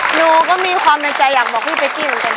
หนูก็มีความในใจอยากบอกพี่เป๊กกี้เหมือนกันค่ะ